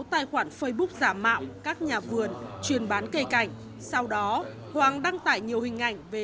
tài khoản facebook giả mạo các nhà vườn truyền bán cây cảnh sau đó hoàng đăng tải nhiều hình ảnh về